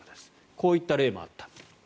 こういった例もあった。